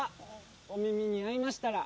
『お耳に合いましたら。』